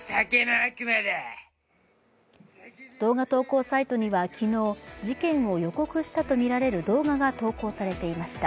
動画投稿サイトには昨日、事件を予告したとみられる動画が投稿されていました。